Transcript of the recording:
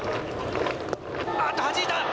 あっと、はじいた。